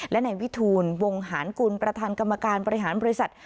และในวิทูลวงหารกุลประธานกรรมการบริหารบริษัท